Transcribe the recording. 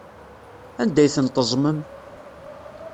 Anda ay tent-teẓẓmem?